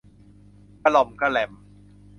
กะหร็อมกะแหร็ม